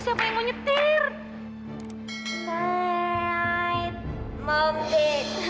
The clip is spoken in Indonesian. siapa yang nyetir hai mombi